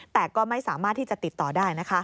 แต่ก็ไม่สามารถที่จะติดต่อได้นะคะ